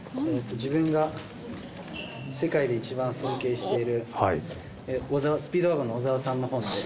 自分が世界で一番尊敬しているスピードワゴンの小沢さんの本で。